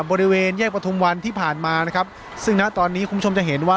บริเวณแยกประทุมวันที่ผ่านมานะครับซึ่งณตอนนี้คุณผู้ชมจะเห็นว่า